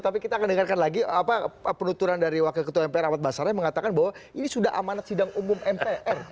tapi kita akan dengarkan lagi penuturan dari wakil ketua mpr ahmad basara yang mengatakan bahwa ini sudah amanat sidang umum mpr